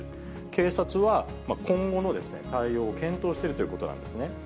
警察は今後の対応を検討しているということなんですね。